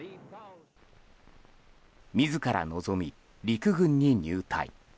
自ら望み、陸軍に入隊。